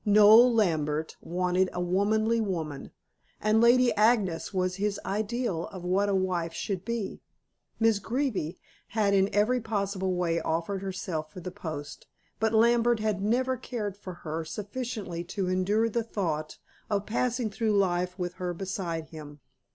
Noel Lambert wanted a womanly woman, and Lady Agnes was his ideal of what a wife should be. Miss Greeby had in every possible way offered herself for the post, but Lambert had never cared for her sufficiently to endure the thought of passing through life with her beside him.